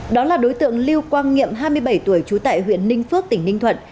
đó là đối tượng lưu quang nghiệm hai mươi bảy tuổi trú tại huyện ninh phước tỉnh ninh thuận